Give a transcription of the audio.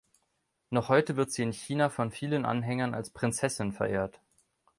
Noch heute wird sie in China von vielen Anhängern als „Prinzessin“ verehrt.